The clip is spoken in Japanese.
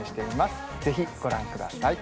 ぜひご覧ください。